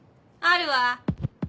あるわ。